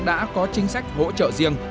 đã có chính sách hỗ trợ riêng